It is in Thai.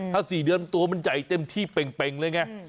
ถ้าสี่เดือนตัวมันใจเต็มที่เบ่งเลยไง